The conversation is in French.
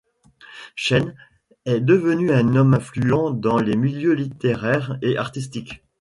Chen est devenu un homme influent dans les milieux littéraire et artistique.